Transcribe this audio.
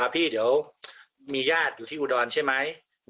พี่เดี๋ยวมีญาติอยู่ที่อุดรใช่ไหม